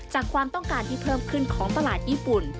ความต้องการที่เพิ่มขึ้นของตลาดญี่ปุ่น